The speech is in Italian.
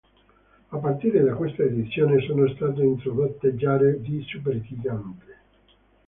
A partire da questa edizione sono state introdotte gare di supergigante.